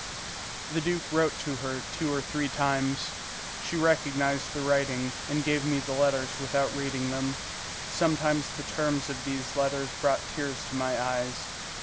The duke wrote to her two or three times. She recognised the writing and gave me the letters without reading them. Sometimes the terms of these letters brought tears to my eyes.